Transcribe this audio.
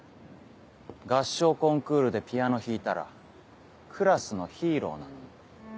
合唱コンクールでピアノ弾いたらクラスのヒーローなのに。